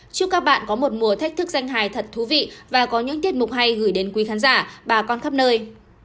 chúc các bạn có một mùa thách thức danh hài thật thú vị và có những tiết mục hay gửi đến quý khán giả bà con khắp nơi